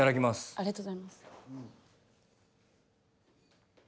ありがとうございます。